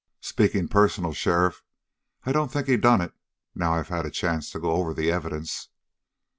"Speaking personal, sheriff, I don't think he done it, now I've had a chance to go over the evidence."